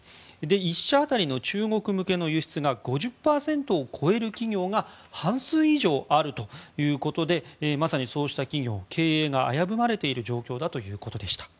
１社当たりの中国向けの輸出が５０％を超える企業が半数以上あるということでまさに、そうした企業の経営が危ぶまれている状況だということです